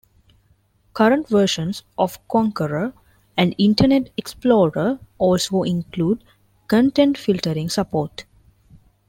Current versions of Konqueror and Internet Explorer also include content filtering support.